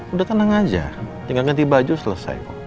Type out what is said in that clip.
udah tenang aja tinggal ganti baju selesai